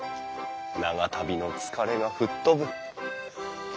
長旅の疲れが吹っ飛ぶ。